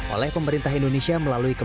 oleh pemerintah indonesia melalui ktp palsu